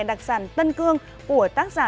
đặc sản tân cương của tác giả